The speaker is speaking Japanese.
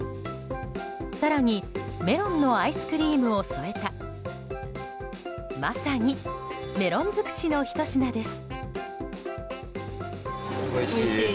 更にメロンのアイスクリームを添えたまさに、メロン尽くしのひと品です。